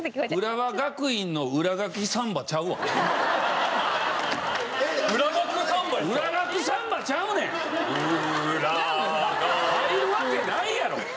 「浦学」入るわけないやろ！